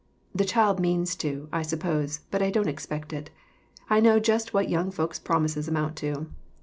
The child means to, I suppose, but I don't expect it. I know just what young folks' promises amount to.